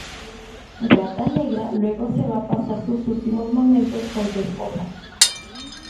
Gata Negra luego se va a pasar sus últimos momentos con su esposa.